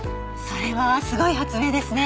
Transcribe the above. それはすごい発明ですね。